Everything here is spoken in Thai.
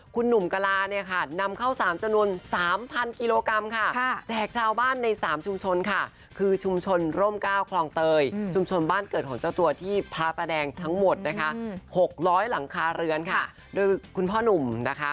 คุณหนุ่มกะลานำเข้าสามจำนวน๓๐๐๐กิโลกรัมค่ะ